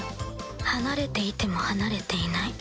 離れていても離れていない